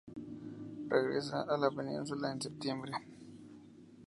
Regresa a la península en septiembre.